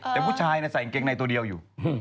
แต่ผู้ชายใส่กางเกงในตัวเดียวอยู่